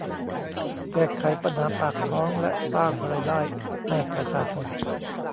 แก้ไขปัญหาปากท้องและสร้างรายได้ให้ประชาชน